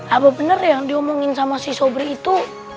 apa benar yang diomongin sama si sobri itu